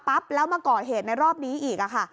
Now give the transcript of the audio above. พอหลังจากเกิดเหตุแล้วเจ้าหน้าที่ต้องไปพยายามเกลี้ยกล่อม